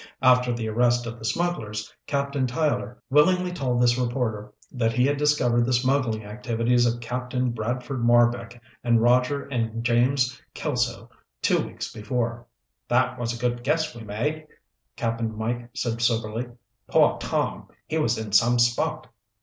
After the arrest of the smugglers, Captain Tyler willingly told this reporter that he had discovered the smuggling activities of Captain Bradford Marbek and Roger and James Kelso two weeks before.'" "That was a good guess we made," Cap'n Mike said soberly. "Poor Tom. He was in some spot.